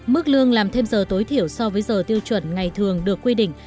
mức lương làm thêm giờ tối thiểu so với giờ tiêu chuẩn ngày thường được quy định